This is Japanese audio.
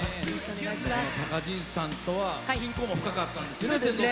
たかじんさんとは親交も深かったんですね。